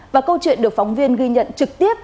và câu chuyện được phóng viên ghi nhận trực tiếp